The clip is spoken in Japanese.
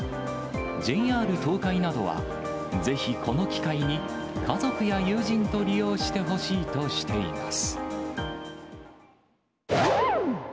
ＪＲ東海などは、ぜひ、この機会に家族や友人と利用してほしいとしています。